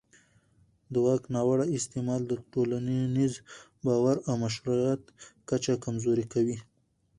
د واک ناوړه استعمال د ټولنیز باور او مشروعیت کچه کمزوري کوي